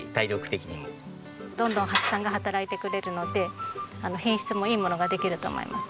どんどんハチさんが働いてくれるので品質もいいものができると思います。